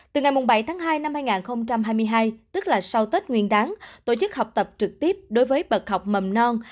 từ ngày bảy tháng hai năm hai nghìn hai mươi hai tức là sau tết nguyên đáng tổ chức học tập trực tiếp đối với bậc học mầm non